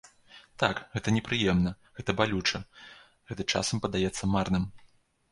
Так, гэта непрыемна, гэта балюча, гэта часам падаецца марным.